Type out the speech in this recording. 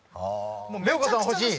レオ子さん欲しい？